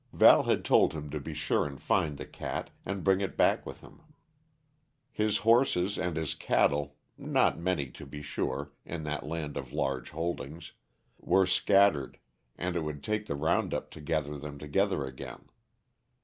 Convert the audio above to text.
Val had told him to be sure and find the cat, and bring it back with him. His horses and his cattle not many, to be sure, in that land of large holdings were scattered, and it would take the round up to gather them together again.